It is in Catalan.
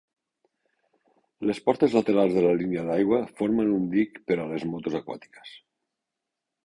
Les portes laterals de la línia d'aigua formen un dic per a les motos aquàtiques.